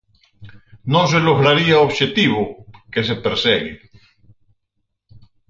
Non se lograría o obxectivo que se persegue.